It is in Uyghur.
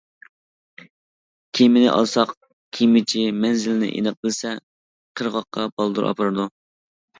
كېمىنى ئالساق، كېمىچى مەنزىلنى ئېنىق بىلسە، قىرغاققا بالدۇر ئاپىرىدۇ.